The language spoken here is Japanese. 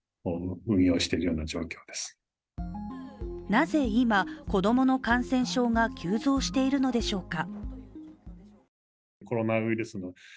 なぜ今、子供の感染症が急増しているのでしょうか。